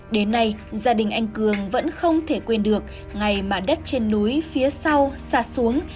đến nay gia đình anh cường vẫn không thể quên được ngày mà đất trên núi phía sau xa xuống